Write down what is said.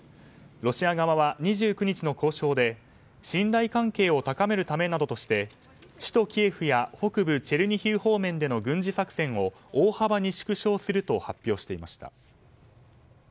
ロシア側は２９日の交渉で信頼関係を高めるためなどとして首都キエフや北部チェルニヒウ方面の軍事作戦を大幅に縮小すると発表していました。